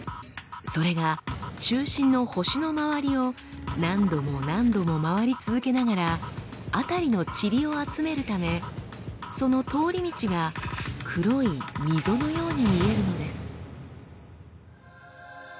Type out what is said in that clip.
それが中心の星の周りを何度も何度も回り続けながら辺りのチリを集めるためその通り道が黒い溝のように見えるのです。